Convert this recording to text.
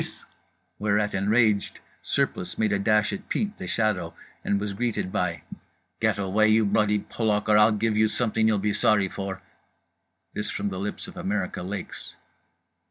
_" Whereat, enraged, Surplice made a dash at Pete The Shadow and was greeted by "Get away, you bloody Polak, or I'll give you something you'll be sorry for"—this from the lips of America Lakes.